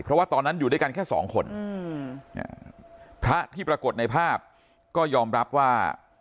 เพราะว่าตอนนั้นอยู่ด้วยกันแค่สองคนพระที่ปรากฏในภาพก็ยอมรับว่า